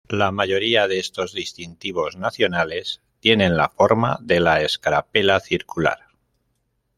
La mayoría de estos distintivos nacionales tienen la forma de la escarapela circular.